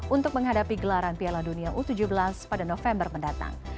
untuk menghadapi gelaran piala dunia u tujuh belas pada november mendatang